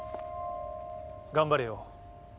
頑張れよ